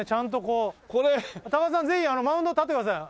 ぜひマウンド立ってください。